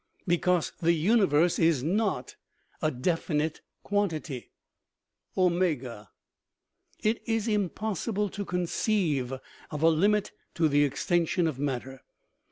Because the universe is not a definite quantity. It is impossible to conceive of a limit to the extension of matter.